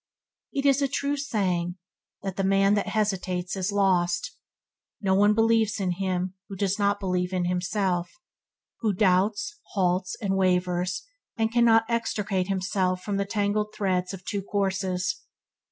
It is a true saying that "the man that hesitates is lost". No one believes in him who does not believe in himself, who doubts, halts, and wavers, and cannot extricate himself from the tangled threads of two courses.